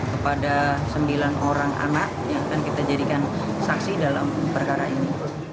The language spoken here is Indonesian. kepada sembilan orang anak yang akan kita jadikan saksi dalam perkara ini